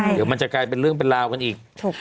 เดี๋ยวมันจะกลายเป็นเรื่องเป็นราวกันอีก